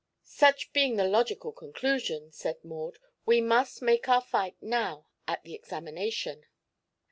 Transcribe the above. "Such being the logical conclusion," said Maud, "we must make our fight now, at the examination."